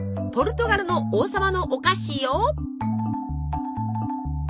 ポルトガルの「王様のお菓子」よ。